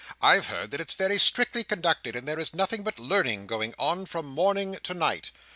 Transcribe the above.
I've heard that it's very strictly conducted, and there is nothing but learning going on from morning to night."